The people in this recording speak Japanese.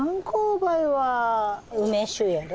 梅酒やろ。